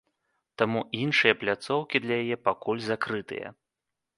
Таму іншыя пляцоўкі для яе пакуль закрытыя.